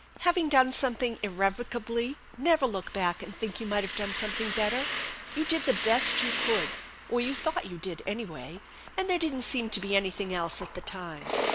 Having done something irrevocably, never look back and think you might have done something better. You did the best you could, or you thought you did, anyway ; and there didn't seem to be anything else at the time.